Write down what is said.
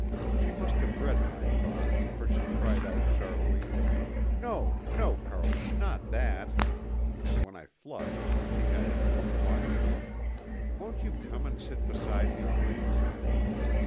She must have read my thought for she cried out sharply, "No, no, Carlton, not that!" and when I flushed she added more quietly, "Won't you come and sit beside me, please?"